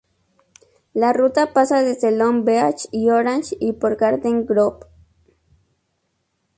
La ruta pasa desde Long Beach y Orange y por Garden Grove.